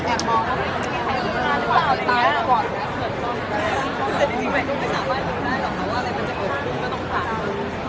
บางการแพทย์แต่ยกล์มเนี้ยช่วยทำมาเตรียมกันด้วยนะครับ